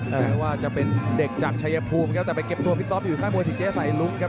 แม้ว่าจะเป็นเด็กจากชายภูมิครับแต่ไปเก็บตัวพี่ต๊อฟอยู่ค่ายมวยสิเจ๊สายลุ้งครับ